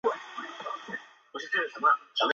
布伦森否认控罪。